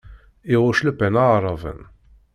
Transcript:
Iɣuc Le Pen Aɛraben.